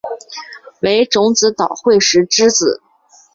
为种子岛惠时之子。